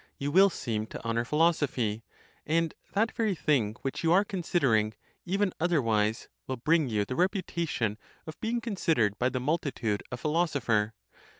you will seem.to honour philosophy ; and that very thing, 2 which you are considering even other wise,? will bring you the reputation of being considered by the multitude a philosopher.